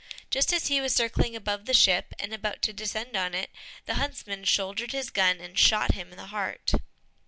Just as he was circling above the ship, and about to descend on it, the huntsman shouldered his gun, and shot him to the heart.